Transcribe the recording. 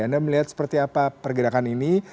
anda melihat seperti apa pergerakan ini